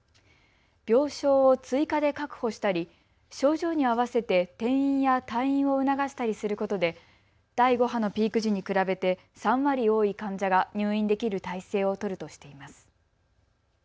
病床を追加で確保したり症状に合わせて転院や退院を促したりすることで第５波のピーク時に比べて３割多い患者が入院できる体制を取るとしています。